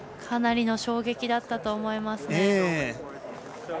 かなりの衝撃だったと思います。